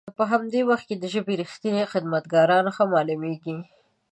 په همدي وخت کې د ژبې رښتني خدمت کاران ښه مالومیږي.